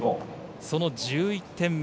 その１１点目。